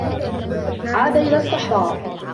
عاد إلى الصّحراء.